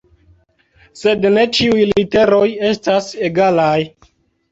Sed ne ĉiuj literoj estas egalaj.